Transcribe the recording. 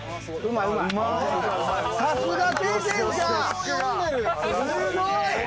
すごい！